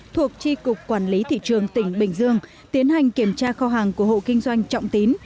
thuộc tri cục quản lý thị trường tỉnh bình dương tiến hành kiểm tra kho hàng của hộ kinh doanh trọng tín